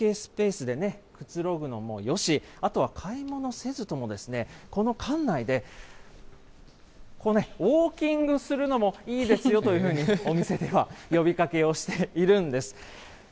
こういった休憩スペースでね、くつろぐのもよし、あとは買い物せずともこの館内でこうね、ウォーキングするのもいいですよというふうにお店では呼びかけをしているんです。